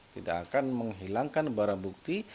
tidak akan menghilangkan barang bukti